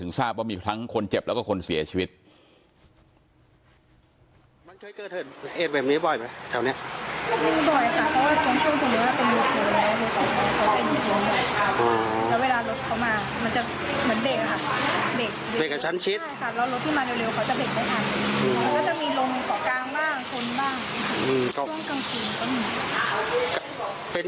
อืมมันก็จะมีลมของกลางมากคนมากอืมช่วงกลางคืนก็มีเป็น